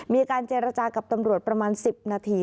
มีการเจรจากับตำรวจประมาณ๑๐นาที